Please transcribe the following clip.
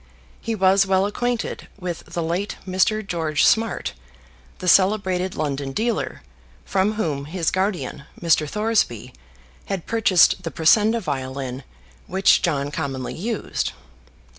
He was well acquainted with the late Mr. George Smart, the celebrated London dealer, from whom his guardian, Mr. Thoresby, had purchased the Pressenda violin which John commonly used.